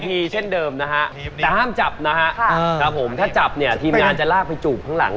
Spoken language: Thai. แต่เปิร์นไม่ชอบใครตอนเนี้ยเป็นเกลียดตัวเอง